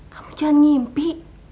kamu jangan mimpi